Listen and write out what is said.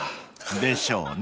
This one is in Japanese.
［でしょうね